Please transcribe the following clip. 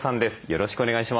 よろしくお願いします。